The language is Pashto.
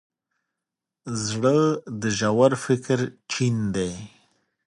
زړه د ژور فکر چین دی.